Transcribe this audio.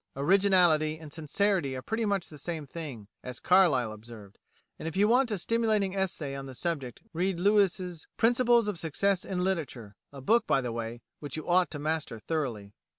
Originality and sincerity are pretty much the same thing, as Carlyle observed; and if you want a stimulating essay on the subject, read Lewes' "Principles of Success in Literature," a book, by the way, which you ought to master thoroughly.